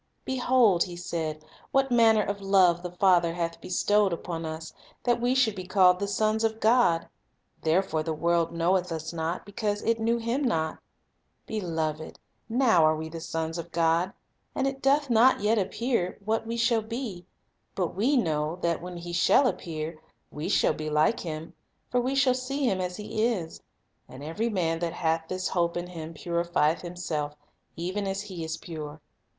"Behold," he said, "what manner of love the Father hath bestowed upon us, that we should be called the sons of God; therefore the world knoweth us not, because it knew Him not. Beloved, now are we the sons of God, and it doth not yet appear what we shall 1 Mark 3 : 17. ^John 17:6. Transforma tion 88 The Master Teacher be; but we know that, when He shall appear, we shall be like Him; for we shall see Him as He is. And every man that hath this hope in Him purifieth himself, even as He is pure."